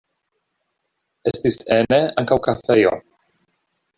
Estis ene ankaŭ kafejo.